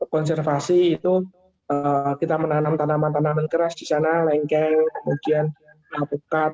konservasi itu kita menanam tanaman tanaman keras di sana lengkeng kemudian pukat